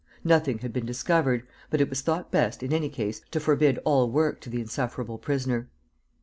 Nothing had been discovered; but it was thought best, in any case, to forbid all work to the insufferable prisoner.